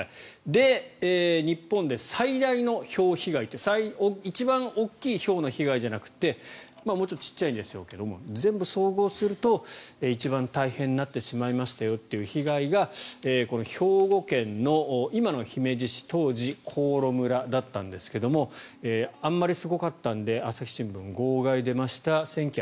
で、日本で最大のひょう被害一番大きいひょうの被害じゃなくてもうちょっと小さいんでしょうけど全部総合すると一番大変になってしまいましたよという被害が兵庫県の今の姫路市当時、香呂村だったんですがあんまりすごかったので朝日新聞、号外が出ました。